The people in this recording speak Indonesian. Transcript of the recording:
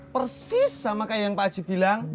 persis sama kayak yang pak aji bilang